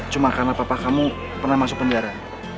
cuma karena papa kamu pernah masuk penjara